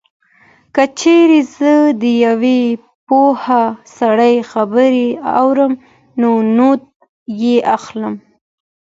کله چې زه د یو پوه سړي خبرې اورم نو نوټ یې اخلم.